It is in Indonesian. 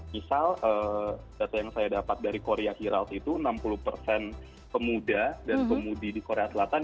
misal data yang saya dapat dari korea hiraud itu enam puluh persen pemuda dan pemudi di korea selatan